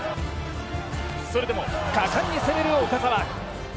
それでも果敢に攻める岡澤。